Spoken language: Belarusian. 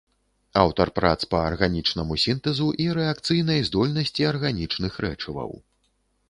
Аўтар прац па арганічнаму сінтэзу і рэакцыйнай здольнасці арганічных рэчываў.